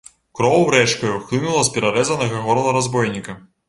Кроў рэчкаю хлынула з перарэзанага горла разбойніка.